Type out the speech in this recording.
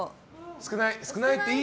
少ない。